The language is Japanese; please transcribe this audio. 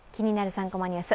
３コマニュース」